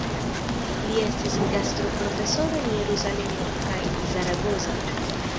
Li estis gastoprofesoro en Jerusalemo kaj Zaragoza.